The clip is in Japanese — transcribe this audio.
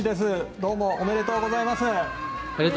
どうもおめでとうございます。